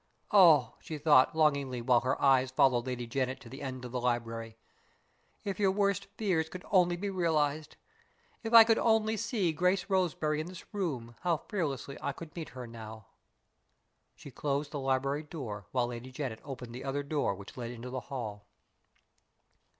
"Oh!" she thought, longingly while her eyes followed Lady Janet to the end of the library, "if your worst fears could only be realized! If I could only see Grace Roseberry in this room, how fearlessly I could meet her now!" She closed the library door, while Lady Janet opened the other door which led into the hall.